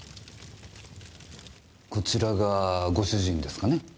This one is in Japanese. こちらがご主人ですかね？